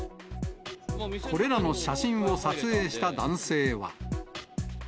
これらの写真を撮影した男性は。